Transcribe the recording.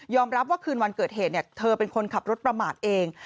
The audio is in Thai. รับว่าคืนวันเกิดเหตุเธอเป็นคนขับรถประมาทเอง